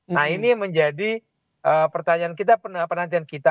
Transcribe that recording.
nah ini menjadi pertanyaan kita penantian kita